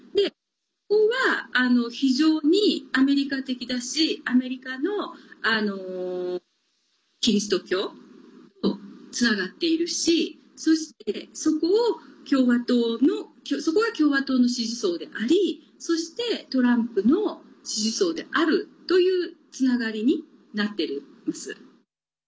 そこは、非常にアメリカ的だしアメリカのキリスト教とつながっているしそして、そこが共和党の支持層でありそしてトランプの支持層であるというつながりになっています。